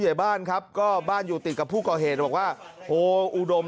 ใหญ่บ้านครับก็บ้านอยู่ติดกับผู้ก่อเหตุบอกว่าโฮอุดม